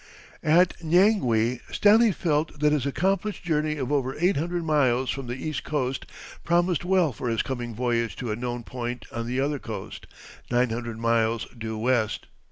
At Nyangwe Stanley felt that his accomplished journey of over eight hundred miles from the east coast promised well for his coming voyage to a known point on the other coast, nine hundred miles due west.